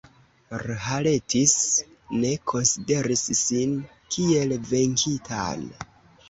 Rhalettis ne konsideris sin kiel venkitan.